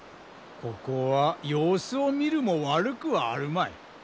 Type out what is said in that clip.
ここは様子を見るも悪くはあるまい。